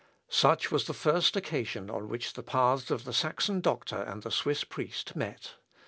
Such was the first occasion on which the paths of the Saxon doctor and the Swiss priest met.